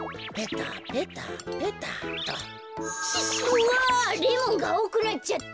うわレモンがあおくなっちゃった。